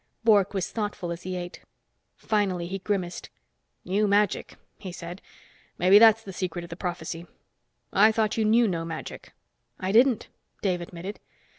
Bork was thoughtful as he ate. Finally he grimaced. "New magic!" he said. "Maybe that's the secret of the prophecy. I thought you knew no magic." "I didn't," Dave admitted.